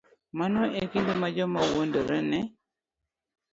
Mano e kinde ma joma wuondore ne